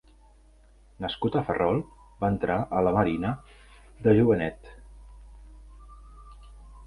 Nascut a Ferrol, va entrar en la Marina de jovenet.